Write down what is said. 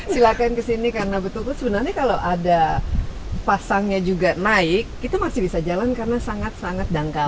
silahkan kesini karena betul betul sebenarnya kalau ada pasangnya juga naik itu masih bisa jalan karena sangat sangat dangkal